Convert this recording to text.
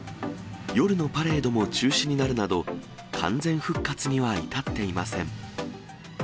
夜のパレードも中止になるなど、完全復活には至っていません。